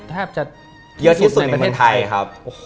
แทบจะเยอะที่สุดในประเทศไทยครับ